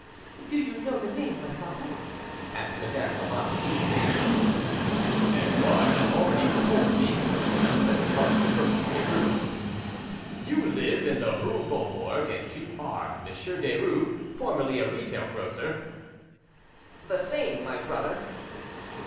"Do you know the name, my father?" asked Madame de Lamotte eagerly. "Edouard had already told me," said the monk, approaching Derues. "You live in the, rue Beaubourg, and you are Monsieur Derues, formerly a retail grocer?" "The same, my brother."